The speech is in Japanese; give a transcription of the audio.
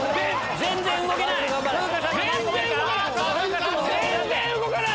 全然動かない！